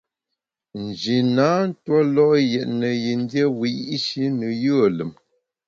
Nji na ntue lo’ yètne yin dié wiyi’shi ne yùe lùm.